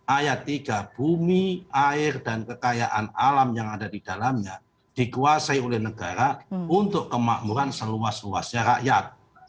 ayat tiga bumi air dan kekayaan alam yang ada di dalamnya dikuasai oleh negara untuk kemakmuran seluas luasnya rakyat